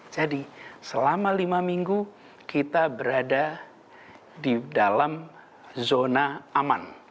selama lima minggu kita berada di dalam zona aman